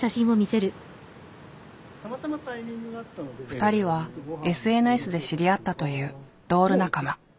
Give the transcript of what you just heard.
２人はＳＮＳで知り合ったというドール仲間。